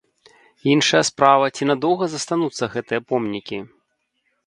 Іншая справа, ці надоўга застануцца гэтыя помнікі?